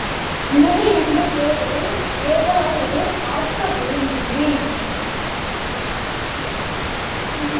உணவு என்ற பேரில் ஏதாவது ஆக்க வேண்டுமே.